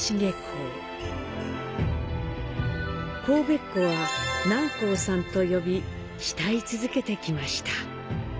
神戸っ子は「楠公さん」と呼び慕い続けてきました。